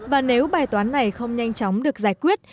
và nếu bài toán này không nhanh chóng được giải quyết